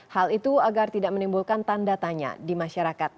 hal itu agar tidak menimbulkan tanda tanya di masyarakat